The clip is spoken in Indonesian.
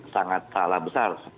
sangat salah besar